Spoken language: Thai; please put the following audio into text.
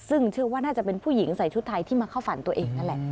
ซึ่งเชื่อว่าน่าจะเป็นผู้หญิงใส่ชุดไทยที่มาเข้าฝันตัวเองนั่นแหละ